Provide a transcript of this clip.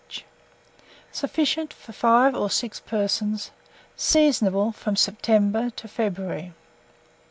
each. Sufficient for 5 or 6 persons. Seasonable from September to February.